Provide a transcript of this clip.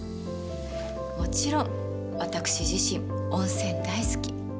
もちろん私自身温泉大好き。